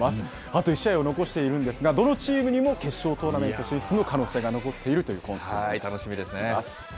あと１試合を残しているんですが、どのチームにも決勝トーナメント進出の可能性が残っているという楽しみですね。